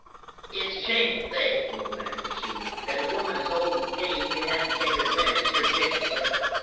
"It's a shameful thing," the old man pursued, "that a woman as old as Jane should have to get her letters surreptitiously.